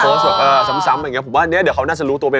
แบบเอ่อซ้ำอย่างเงี้ผมว่าเนี้ยเดี๋ยวเขาน่าจะรู้ตัวเป็น